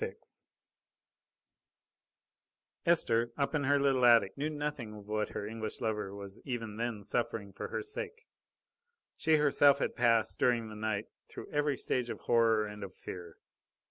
VI Esther, up in her little attic, knew nothing of what her English lover was even then suffering for her sake. She herself had passed, during the night, through every stage of horror and of fear.